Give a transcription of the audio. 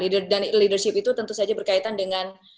dan leadership itu tentu saja berkaitan dengan